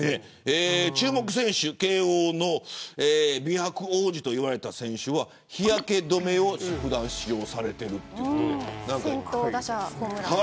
注目選手、慶応の美白王子と言われた選手は日焼け止めを普段、使用されている。